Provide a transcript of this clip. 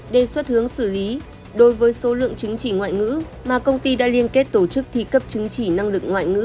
đề xuất hướng xử lý đối với số lượng chứng chỉ ngoại ngữ mà công ty đã liên kết tổ chức thi cấp chứng chỉ năng lực ngoại ngữ